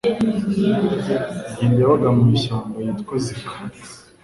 inkende yabaga mu ishyamba ryitwa Zika